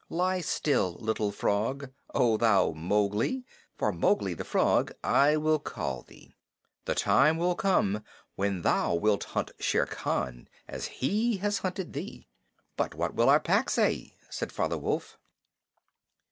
Lie still, little frog. O thou Mowgli for Mowgli the Frog I will call thee the time will come when thou wilt hunt Shere Khan as he has hunted thee." "But what will our Pack say?" said Father Wolf.